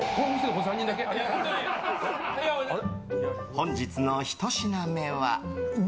本日のひと品目は。